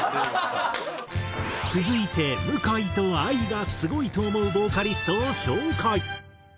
続いて向井とＡＩがスゴいと思うボーカリストを紹介。